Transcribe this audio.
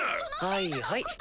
はいはい。